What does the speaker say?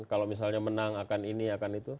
kalau misalnya menang akan ini akan itu